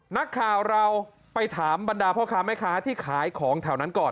นักข่าวเราไปถามบรรดาพ่อค้าแม่ค้าที่ขายของแถวนั้นก่อน